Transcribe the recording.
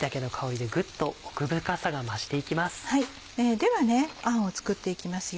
ではあんを作って行きますよ。